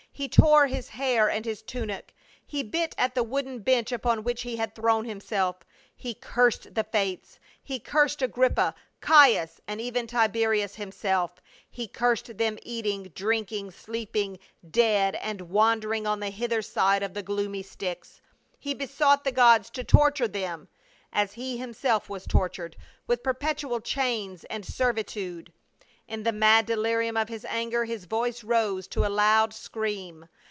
He tore his hair and his tunic ; he bit at the wooden bench upon which he had thrown himself He cursed the fates, he cursed Agrippa, Caius and even Tiberius him self; he cursed them eating, drinking, sleeping, dead and wandering on the hither side of the gloomy Styx, He besought the gods to torture them, as he himself was tortured, with perpetual chains and servitude. In the mad delirium of his anger his voice rose to a loud scream.